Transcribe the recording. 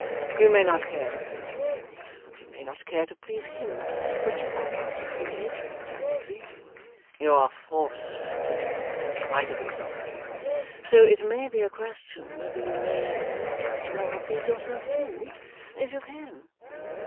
You may not care to please yourself, and you may not care to please him, but you are not a free agent as to pleasing: you are forced to do that, in spite of yourself, my dear; so it may be a question whether you may not as well please yourself too, if you can.